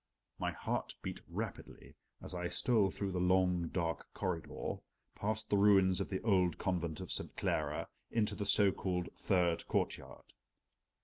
My heart beat rapidly as I stole through the long dark corridor, past the ruins of the old convent of St. Clara, into the so called third courtyard.